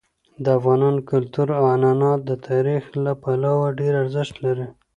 د افغانانو کلتور او عنعنات د تاریخ له پلوه ډېر ارزښت لري.